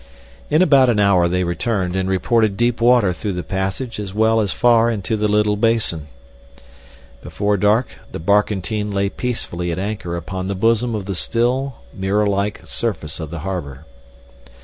In about an hour they returned and reported deep water through the passage as well as far into the little basin. Before dark the barkentine lay peacefully at anchor upon the bosom of the still, mirror like surface of the harbor.